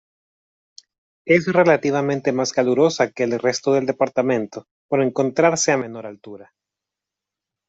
Es relativamente más calurosa que el resto del departamento por encontrarse a menor altura.